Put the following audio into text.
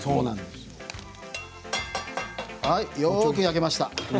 よく焼けました。